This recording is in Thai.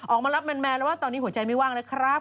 ออกมารับแมนแล้วว่าตอนนี้หัวใจไม่ว่างเลยครับ